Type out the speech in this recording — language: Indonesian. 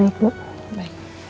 terima kasih bu asri